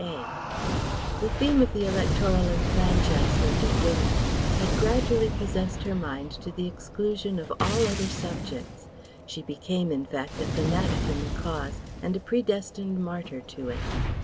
A. The theme of the electoral enfranchisement of Women had gradually possessed her mind to the exclusion of all other subjects; she became in fact a fanatic in the cause and a predestined martyr to it.